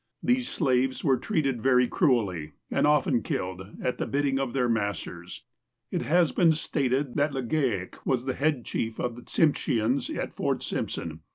These slaves were treated very cruelly, and often killed, at the bidding of their masters. It has been stated that Legale was the head chief of the Tsimsheans at Fort Simpson.